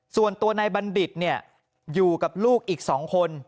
ส่วนตัวนายบัณฑิตอยู่กับลูกอีก๒คน